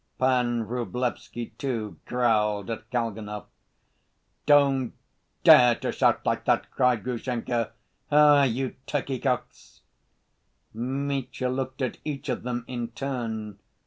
Pan Vrublevsky, too, growled at Kalganov. "Don't dare to shout like that," cried Grushenka. "Ah, you turkey‐cocks!" Mitya looked at each of them in turn.